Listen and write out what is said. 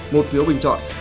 một phiếu bình chọn